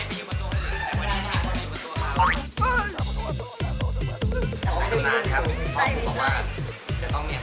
พี่จะต้องมานั่ง